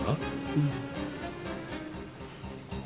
うん。